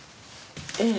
ええ。